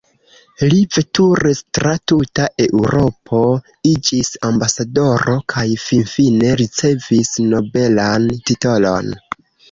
Li veturis tra tuta Eŭropo, iĝis ambasadoro kaj finfine ricevis nobelan titolon.